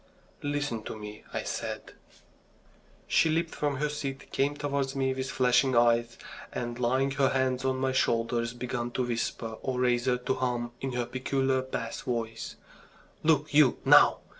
"Listen to me," I said. She leaped from her seat, came towards me with flashing eyes, and laying her hands on my shoulders, began to whisper, or rather to hum in her peculiar bass voice: "Look you, now!